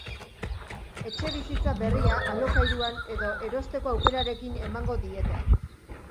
Etxebizitza berria alokairuan edo erosteko aukerarekin emango diete.